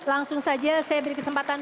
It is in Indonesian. langsung saja saya beri kesempatan